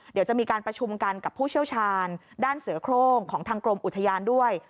เดี๋ยวจะมีการประชุมกันกับผู้เชี่ยวชาญด้านเสือโครงของทางกรมอุทยานด้วย